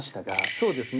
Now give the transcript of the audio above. そうですね。